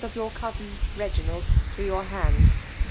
of your QOiudn Reginald to yoar hand.